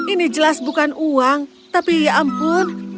ini jelas bukan uang tapi ya ampun